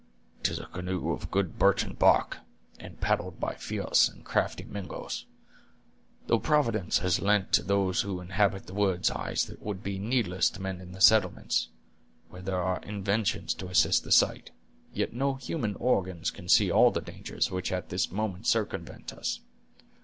"'Tis a canoe of good birchen bark, and paddled by fierce and crafty Mingoes. Though Providence has lent to those who inhabit the woods eyes that would be needless to men in the settlements, where there are inventions to assist the sight, yet no human organs can see all the dangers which at this moment circumvent us.